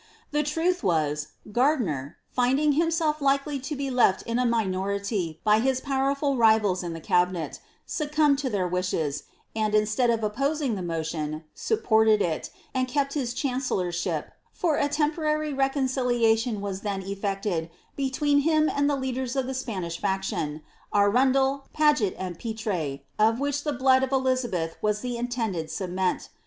The truth was, Gardiner, finding himself likely to be left in a minority by his powerfui rivals in the cabinet, succumbed to their wishes, and, instead of oppoaing the motion, supported it^ and kept his chancellorship, for a iMiponury reconciliation was then efi^ted between him and the leaders of the Spanish faction, Arundel, Paget, and Petre, of which the blood of Elizabeth was the intended cement.